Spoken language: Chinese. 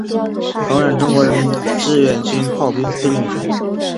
曾任中国人民志愿军炮兵司令员。